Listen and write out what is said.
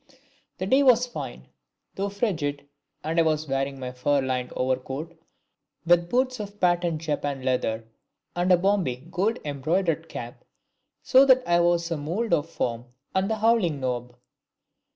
The day was fine, though frigid, and I was wearing my fur lined overcoat, with boots of patent Japan leather, and a Bombay gold embroidered cap, so that I was a mould of form and the howling nob.